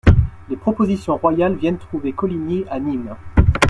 Les propositions royales viennent trouver Coligny à Nîmes.